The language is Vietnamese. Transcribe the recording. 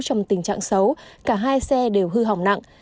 trong tình trạng xấu cả hai xe đều hư hỏng nặng